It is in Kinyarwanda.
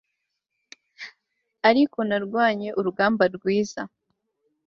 Ariko narwanye urugamba rwiza